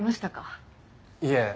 いえ。